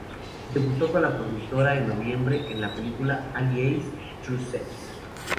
Debutó con la productora en noviembre, en la película "Allie Haze: True Sex".